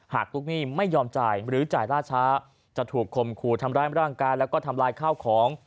ลูกหนี้ไม่ยอมจ่ายหรือจ่ายล่าช้าจะถูกคมคู่ทำร้ายร่างกายแล้วก็ทำลายข้าวของ